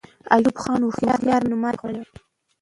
که ایوب خان هوښیار نه وای، نو ماتې به یې خوړلې وه.